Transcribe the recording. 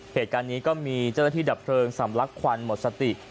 เหตุการณ์นี้ก็มีเจ้าหน้าที่ดับเพลิงสำลักควันหมดสติ